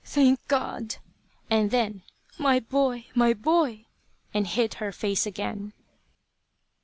"Thank God!" and then, "My boy! My boy!" and hid her face again.